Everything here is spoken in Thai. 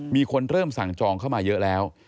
มีคนเริ่มสั่งจองเข้ามาเยอะแล้ว